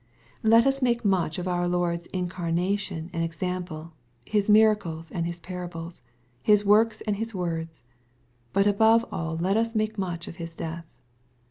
Let us make much of our Lord's incarnation and exam ple. His miracles and his parables. His works and His words, but above all let us make much of His death.